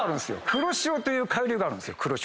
黒潮という海流があるんですよ。